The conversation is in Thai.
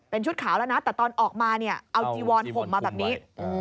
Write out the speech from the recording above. เป็นชุดขาวแล้วนะแต่ตอนออกมาเนี่ยเอาจีวอนผมมาแบบนี้